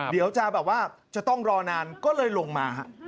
เดี๋ยวจะแบบว่าจะต้องรอนานก็เลยลงมาฮะ